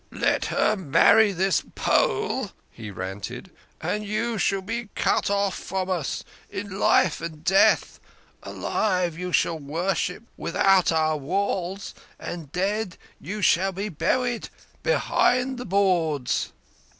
"Let her marry this Pole," he ranted, "and you shall be cut off from us in life and death. Alive, you shall worship without our walls, and dead you shall be buried ' behind the boards.'